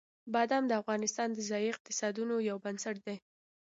بادام د افغانستان د ځایي اقتصادونو یو بنسټ دی.